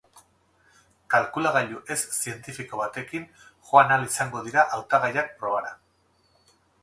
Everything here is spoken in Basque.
Kalkulagailu ez zientifiko batekin joan ahal izango dira hautagaiak probara.